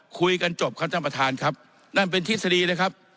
คุยกันจบครับท่านประธานครับนั่นเป็นทฤษฎีเลยครับ